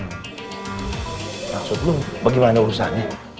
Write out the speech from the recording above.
maksud lo bagaimana urusannya